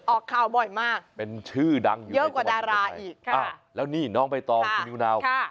ออกข่าวบ่อยมากเป็นชื่อดังอยู่เยอะกว่าดาราอีกค่ะอ้าวแล้วนี่น้องใบตองคุณนิวนาว